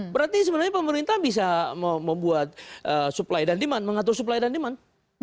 berarti sebenarnya pemerintah bisa membuat supply dan demand mengatur supply dan demand